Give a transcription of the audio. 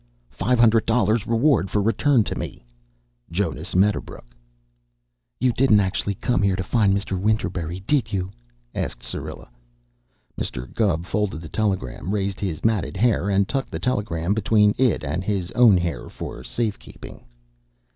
Five hundred dollars reward for return to me. JONAS MEDDERBROOK "You didn't actually come here to find Mr. Winterberry, did you?" asked Syrilla. Mr. Gubb folded the telegram, raised his matted hair, and tucked the telegram between it and his own hair for safe keeping.